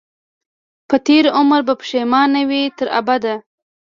په تېر عمر به پښېمان وي تر ابده